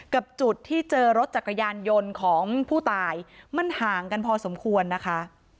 กับจุดที่เจอรถจักรยานยนต์ของผู้ตายมันห่างกันพอสมควรนะคะ